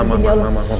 kamu bener masih kuat